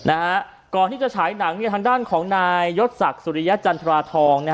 อันนี้จะฉายหนังทางด้านของนายยศสักษ์สุริยจันทราทอง